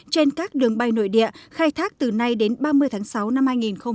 trên các đường bay nội địa khai thác từ nay đến ba mươi tháng sáu năm hai nghìn hai mươi